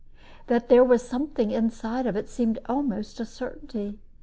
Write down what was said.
That there was something inside of it seemed almost a certainty.